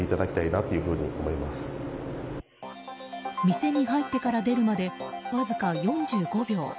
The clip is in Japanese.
店に入ってから出るまでわずか４５秒。